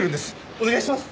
お願いします！